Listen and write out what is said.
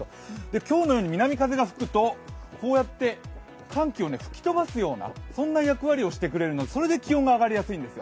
今日のように南風が吹くとこうやって寒気を吹き飛ばすようなそんな役割をしてくれるのでそれで気温が上がりやすいんですよ。